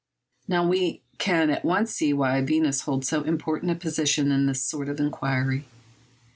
Now we can at once see why Venus holds so important a position in this sort of inquiry.